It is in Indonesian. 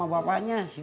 oh dia tahu